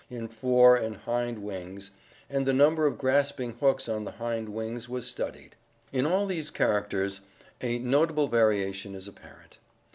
in fore and hind wings, and the number of grasping hooks on the hind wings was studied. In all these characters a notable variation is apparent."